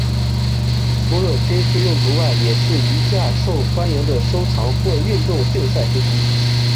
除了军事用途外也是一架受欢迎的收藏或运动竞赛飞机。